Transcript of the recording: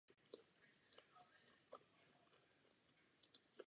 Nejde tu jen o bezúčelné poskytování pomoci.